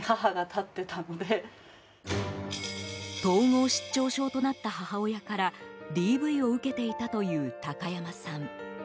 統合失調症となった母親からＤＶを受けていたという高山さん。